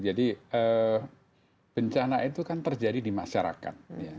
jadi bencana itu kan terjadi di masyarakat